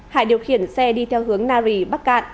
hải điều khiển xe đi theo hướng nari bắc cạn